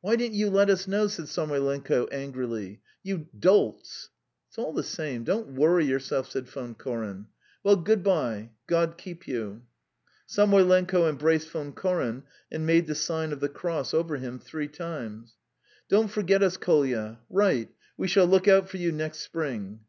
"Why didn't you let us know," said Samoylenko angrily. "You dolts!" "It's all the same, don't worry yourself ..." said Von Koren. "Well, good bye. God keep you." Samoylenko embraced Von Koren and made the sign of the cross over him three times. "Don't forget us, Kolya. ... Write. ... We shall look out for you next spring."